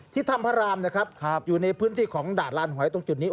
ที่ถ้ำพระรามอยู่ในพื้นที่ของดาดร่านหอยตรงจุดนี้